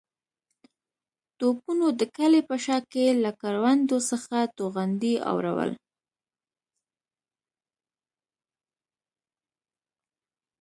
توپونو د کلي په شا کې له کروندو څخه توغندي اورول.